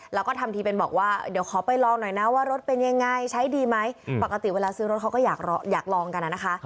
แล้วก็ทำทีเป็นบอกว่าเดี๋ยวขอไปลองหน่อยนะว่ารถเป็นยังไงใช้ดีไหมปกติเวลาซื้อรถเขาก็อยากลองกันนะคะ